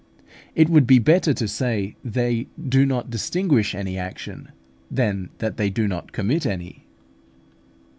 It would be better to say they do not distinguish any action, than that they do not commit any.